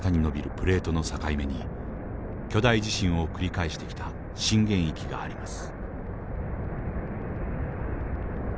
プレートの境目に巨大地震を繰り返してきた震源域があります。